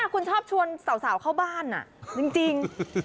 คุณชอบชวนสาวเข้าบ้านจริง